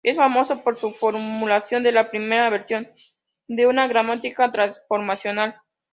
Es famoso por su formulación de la primera versión de una gramática transformacional.